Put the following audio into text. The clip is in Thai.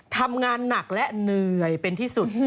ทำงานหนักและเหนื่อยเป็นที่สุด